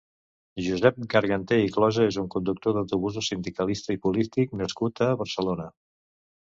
Josep Garganté i Closa és un conductor d'autobusos, sindicalista i polític nascut a Barcelona.